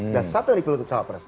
dan satu yang dipilih untuk capres